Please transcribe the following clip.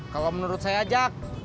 kalau menurut saya jack